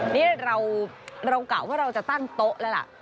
นี่เรากะว่าเราจะตั้งโต๊ะแล้วล่ะ